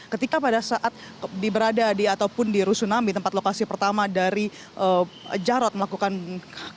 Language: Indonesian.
ketika pada saat diberada di ataupun di rusun nami tempat lokasi pertama dari jarod melakukan berusukan